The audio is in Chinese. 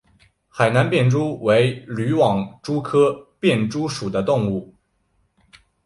海南便蛛为缕网蛛科便蛛属的动物。